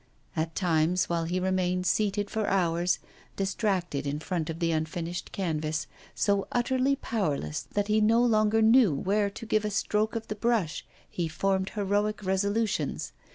At times, while he remained seated for hours, distracted in front of the unfinished canvas, so utterly powerless that he no longer knew where to give a stroke of the brush, he formed heroic resolutions.